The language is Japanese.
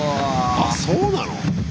あそうなの？